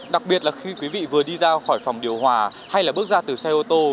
đặc biệt là khi quý vị vừa đi ra khỏi phòng điều hòa hay là bước ra từ xe ô tô